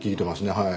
はい。